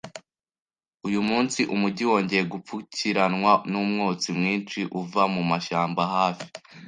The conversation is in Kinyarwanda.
Uyu munsi umujyi wongeye gupfukiranwa numwotsi mwinshi uva mumashyamba hafi.